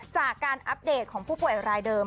จากการอัปเดตของผู้ป่วยรายเดิม